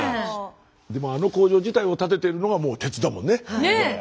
でもあの工場自体を建ててるのがもう鉄だもんね。